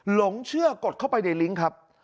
หลงเชื่อกดเข้าไปในลิงค์ครับ